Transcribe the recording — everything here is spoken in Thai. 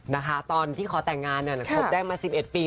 นะคะตอนที่ขอแต่งงานคบได้มา๑๑ปี